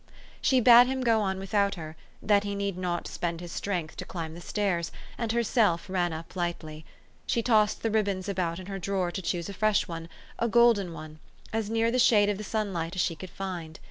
She bade him go on without her, that he need not spend his strength to climb the stairs ; and herself ran up lightly. She tossed the ribbons about in her drawer to choose a fresh one, a golden one, as near the shade of the sunlight as she could find.